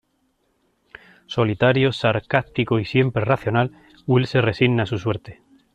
Solitario, sarcástico y siempre racional, Will se resigna a su suerte.